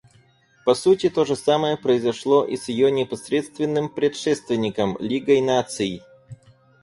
По сути, то же самое произошло и с ее непосредственным предшественником — Лигой Наций.